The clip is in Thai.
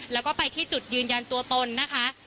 แล้วก็ไปที่จุดยืนยันตัวตนนะคะ